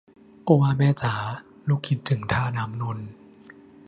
โอ้ว่าแม่จ๋า ลูกคิดถึงท่าน้ำนนท์